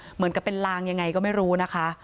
เหมือนกับเป็นลางยังไงก็ไม่รู้นะคะ